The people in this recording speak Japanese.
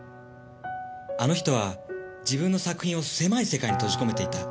あの人は自分の作品を狭い世界に閉じ込めていた。